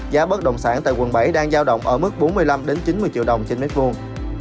giá bất động sản tại quận bảy đang giao động ở mức bốn mươi năm chín mươi triệu đồng trên mét vuông